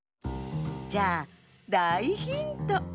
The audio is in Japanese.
じゃあだいヒント！